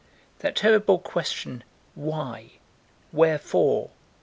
That terrible question "Why?" "Wherefore?"